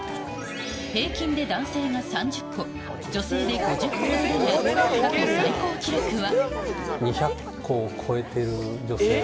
平均で男性が３０個、女性で５０個、過去最高記録は。